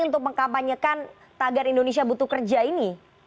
untuk mengkampanyekan tagar indonesia butuh kerja ini